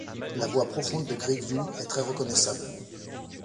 La voix profonde de Grevioux est très reconnaissable.